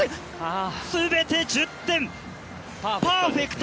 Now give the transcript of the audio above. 全て１０点、パーフェクト！